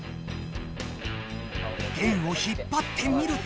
弦を引っぱってみると。